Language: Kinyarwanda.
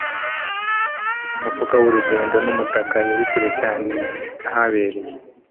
umufuka w'urugendo n'umutaka. yari kure cyane y'ahabereye